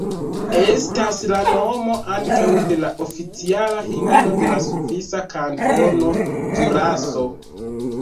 Estas la nomo ankaŭ de la oficiala himno de la svisa kantono Ĵuraso.